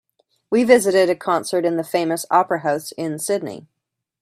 We visited a concert in the famous opera house in Sydney.